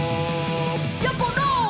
「やころ！」